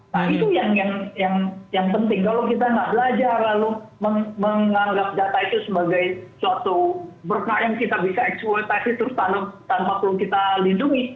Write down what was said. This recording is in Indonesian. nah itu yang penting kalau kita nggak belajar lalu menganggap data itu sebagai suatu berkah yang kita bisa eksploitasi terus tanam tanpa perlu kita lindungi